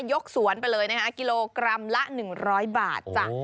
สวนไปเลยนะคะกิโลกรัมละ๑๐๐บาทจ้ะ